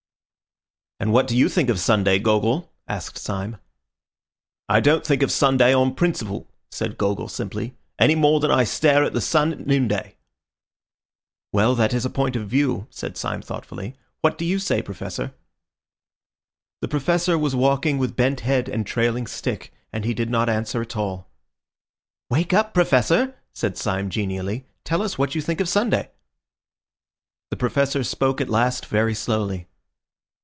"And what do you think of Sunday, Gogol?" asked Syme. "I don't think of Sunday on principle," said Gogol simply, "any more than I stare at the sun at noonday." "Well, that is a point of view," said Syme thoughtfully. "What do you say, Professor?" The Professor was walking with bent head and trailing stick, and he did not answer at all. "Wake up, Professor!" said Syme genially. "Tell us what you think of Sunday." The Professor spoke at last very slowly.